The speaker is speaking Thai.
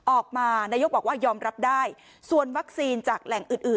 ออกมานายกบอกว่ายอมรับได้ส่วนวัคซีนจากแหล่งอื่นอื่น